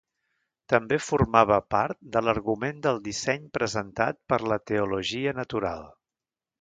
També formava part de l'argument del disseny presentat per la teologia natural.